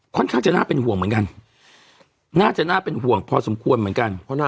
ค่อนข้างจะน่าเป็นห่วงเหมือนกันน่าจะน่าเป็นห่วงพอสมควรเหมือนกัน